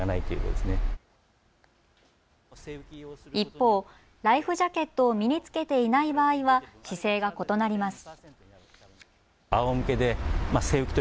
一方、ライフジャケットを身に着けていない場合は姿勢が異なります。